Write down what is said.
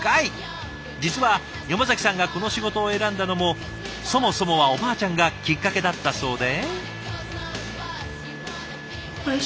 実は山崎さんがこの仕事を選んだのもそもそもはおばあちゃんがきっかけだったそうで。